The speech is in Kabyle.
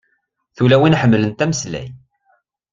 Tulawin ḥemmlent ameslay.